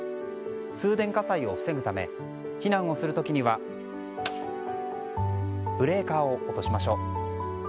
通電火災を防ぐため避難をする時にはブレーカーを落としましょう。